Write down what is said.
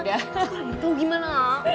kamu tau gimana